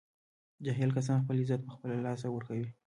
جاهل کسان خپل عزت په خپله له لاسه ور کوي